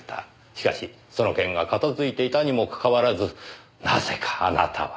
しかしその件は片付いていたにもかかわらずなぜかあなたは。